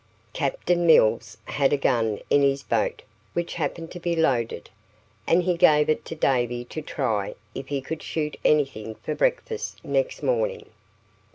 Captain Mills had a gun in his boat which happened to be loaded, and he gave it to Davy to try if he could shoot anything for breakfast next morning.